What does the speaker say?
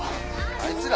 あいつら？